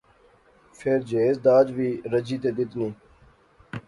فیر جہیز داج وی رجی تے دیتنی